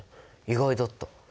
意外だった。